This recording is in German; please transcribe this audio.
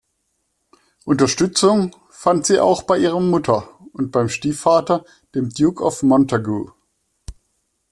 Unterstützung fand sie auch bei ihrer Mutter und beim Stiefvater, dem Duke of Montagu.